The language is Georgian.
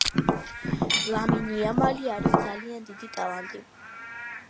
ლამინ იამალი არის ძალიან დიდი ტალანტი